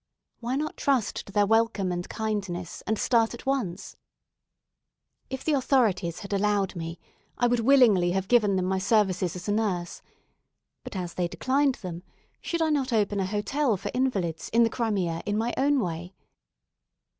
Why not trust to their welcome and kindness, and start at once? If the authorities had allowed me, I would willingly have given them my services as a nurse; but as they declined them, should I not open an hotel for invalids in the Crimea in my own way?